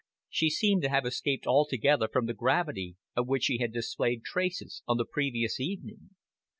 She seemed to have escaped altogether from the gravity of which she had displayed traces on the previous evening.